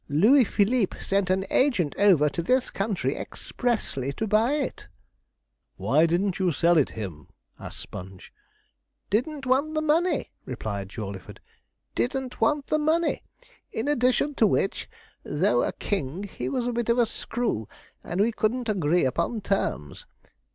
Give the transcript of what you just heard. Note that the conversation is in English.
Louis Philippe sent an agent over to this country expressly to buy it.' 'Why didn't you sell it him?' asked Sponge. 'Didn't want the money,' replied Jawleyford, 'didn't want the money. In addition to which, though a king, he was a bit of a screw, and we couldn't agree upon terms.